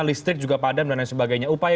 listrik juga padam dan lain sebagainya upaya